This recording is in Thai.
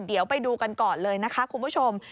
เดี๋ยวไปดูกันก่อนเลยนะคะคุณผู้ชม